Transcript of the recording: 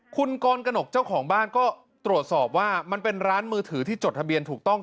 คุณกรกนกเจ้าของบ้านก็ตรวจสอบว่ามันเป็นร้านมือถือที่จดทะเบียนถูกต้อง